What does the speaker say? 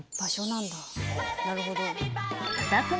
場所なんだ